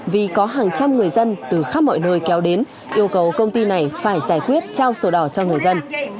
vì có hàng trăm người dân từ khắp mọi nơi kéo đến yêu cầu công ty này phải giải quyết trao sổ đỏ cho người dân